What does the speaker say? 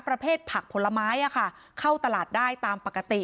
ประเภทผักผลไม้เข้าตลาดได้ตามปกติ